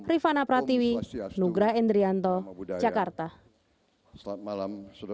rifana pratiwi nugra endrianto jakarta